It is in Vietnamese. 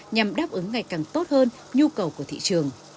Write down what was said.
nhằm đáp ứng ngày càng tốt hơn nhu cầu của thị trường